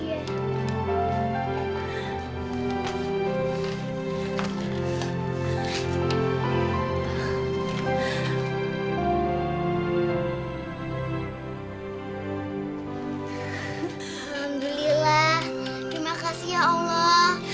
alhamdulillah terima kasih ya allah